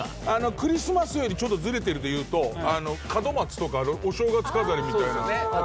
クリスマスよりちょっとずれてるでいうと門松とかお正月飾りみたいなああいうやつだと。